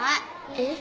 えっ？